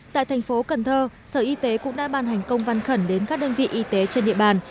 tại thành phố cần thơ sở y tế cũng đã ban hành công văn khẩn đến các đơn vị y tế trên địa bàn